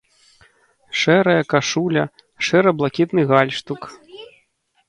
Шэрая кашуля, шэра-блакітны гальштук.